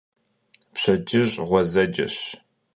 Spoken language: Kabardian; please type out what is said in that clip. Pşedcıj ğuezeceş.